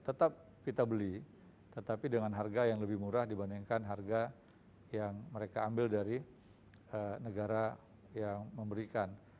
tetap kita beli tetapi dengan harga yang lebih murah dibandingkan harga yang mereka ambil dari negara yang memberikan